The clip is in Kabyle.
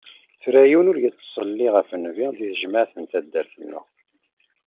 Tura yiwen ur "yettṣelli ɣef Nnbi" deg tejmaɛt n taddart-nneɣ.